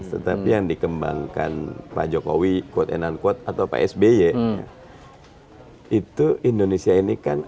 nya tetap yang dikembangkan pak jokowi win check and balances atau psb y nya itu indonesia ini kan